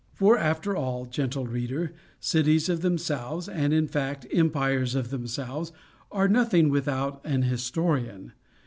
For, after all, gentle reader, cities of themselves, and, in fact, empires of themselves, are nothing without an historian.